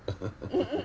ハハハ。